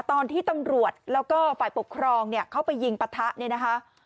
ตอนที่ตำรวจแล้วก็ฝ่ายปกครองเนี่ยเข้าไปยิงปะทะเนี่ยนะคะ